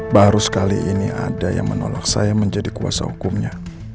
baru sekali ini ada yang menolak saya menjadi kuasa hukumnya